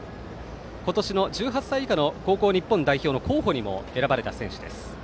今年の１８歳以下の高校日本代表の候補にも選ばれた選手です。